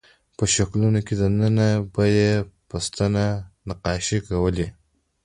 په شګو کې دننه به یې په ستنه نقاشۍ کولې.